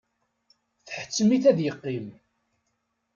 Tḥettem-it ad yeqqim.